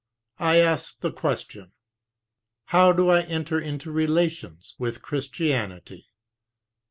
I ask the question: 26 how do I enter into relations with Christianity?"